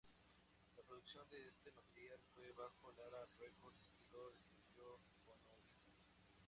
La producción de este material fue bajo Lora Records y lo distribuyó Fonovisa.